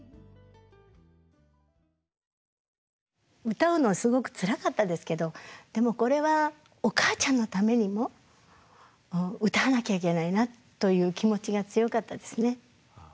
歌うのはすごくつらかったですけどでもこれはおかあちゃんのためにも歌わなきゃいけないなという気持ちが強かったですね。